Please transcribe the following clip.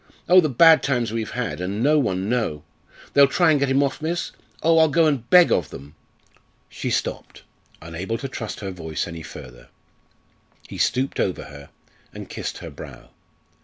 Oh, the bad times we've had, and no one know! They'll try and get him off, miss? Oh, I'll go and beg of them.'" She stopped, unable to trust her voice any further. He stooped over her and kissed her brow.